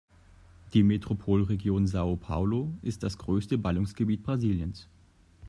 Die Metropolregion São Paulo ist das größte Ballungsgebiet Brasiliens.